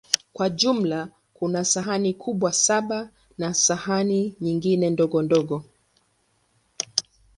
Kwa jumla, kuna sahani kubwa saba na sahani nyingi ndogondogo.